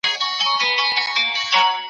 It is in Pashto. روښانه فکر ستونزي نه خپروي.